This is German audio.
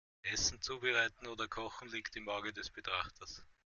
Essen zubereiten oder kochen liegt im Auge des Betrachters.